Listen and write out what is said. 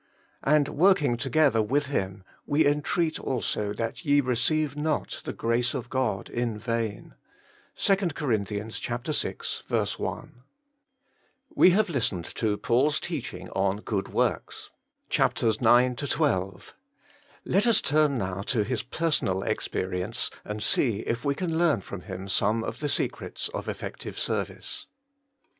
And working together with Him we intreat also that ye receive not the grace of God in vain.' — 2 Cor. vi. I. WE have listened to Paul's teaching on good works (chaps. IX. XXII.) ; let us turn now to his personal experience, and see if we can learn from him some of the secrets of effective service.